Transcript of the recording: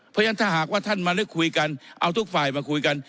เพราะฉะนั้นถ้าหากว่าท่านมานึกคุยกันเอาทุกฝ่ายมาคุยกัน